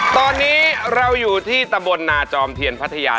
ตอนนี้เราอยู่ที่ตะบลนาจอมเทียนพัทยา